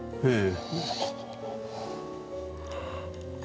ええ。